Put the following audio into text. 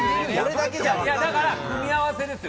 だから、組み合わせですよ。